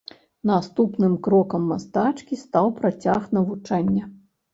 Наступным крокам мастачкі стаў працяг навучання.